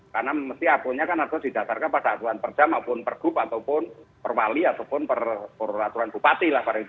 karena mesti apanya kan harus didatarkan pada aturan perjam maupun pergub ataupun perwali ataupun peraturan bupati lah